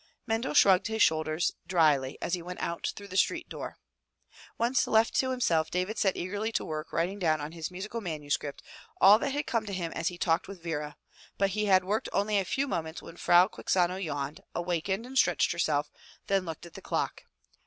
Mendel shrugged his shoulders drily as he went out through the street door. Once left to himself David set eagerly to work writing down on his musical manuscript all that had come to him as he talked with Vera, but he had worked only a few moments when Frau Quixano yawned, awakened and stretched herself, then looked at the clock.